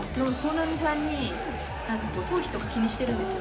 なんか頭皮とか気にしてるんですよ。